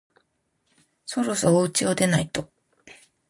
そろそろおうちを出ないと